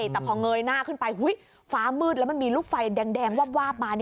แต่พอเงยหน้าขึ้นไปฟ้ามืดแล้วมันมีลูกไฟแดงวาบมา